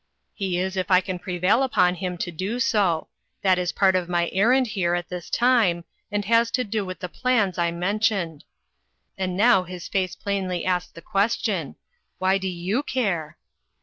" He is if I can prevail upon him to do so. That is part of my errand here at this time, and has to do with the plans I men tioned." And now his face plainly asked the question: "Why do you care?"